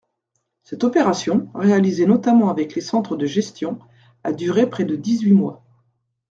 Cette opération, réalisée notamment avec les centres de gestion, a duré près de dix-huit mois.